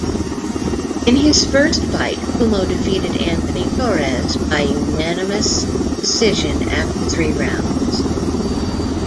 In his first fight, Cummo defeated Anthony Torres by unanimous decision after three rounds.